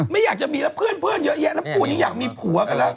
ไม่อยากจะมีแล้วเพื่อนเยอะแยะแล้วคู่นี้อยากมีผัวกันแล้ว